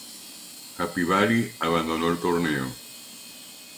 Happy Valley abandonó el torneo.